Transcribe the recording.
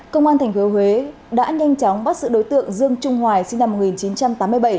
công an tp huế đã nhanh chóng bắt sự đối tượng dương trung hoài sinh năm một nghìn chín trăm tám mươi bảy